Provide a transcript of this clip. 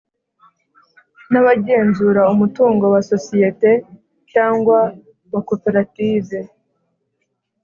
Nabagenzura umutungo wa sosiyete cyangwa wa koperative